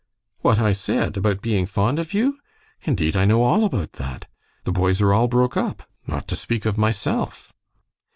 "What I said? About being fond of you? Indeed, I know all about that. The boys are all broke up, not to speak of myself."